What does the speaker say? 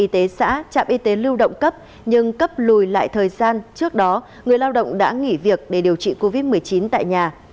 tập lùi lại thời gian trước đó người lao động đã nghỉ việc để điều trị covid một mươi chín tại nhà